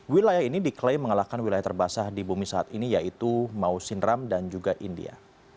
wilayah ini diklaim mengalahkan wilayah terbasah di bumi saat ini yaitu mausin ram dan juga india